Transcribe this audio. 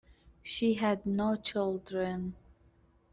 She had no children.